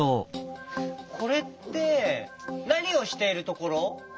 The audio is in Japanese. これってなにをしているところ？